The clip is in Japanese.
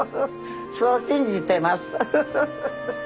そう信じてます。